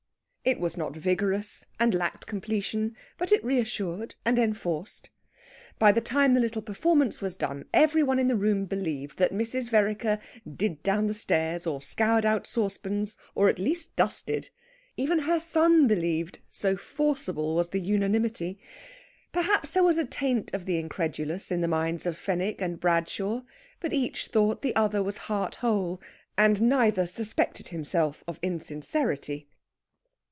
It was not vigorous, and lacked completion, but it reassured and enforced. By the time the little performance was done every one in the room believed that Mrs. Vereker did down the stairs, or scoured out saucepans, or at least dusted. Even her son believed, so forcibly was the unanimity. Perhaps there was a taint of the incredulous in the minds of Fenwick and Bradshaw. But each thought the other was heart whole, and neither suspected himself of insincerity.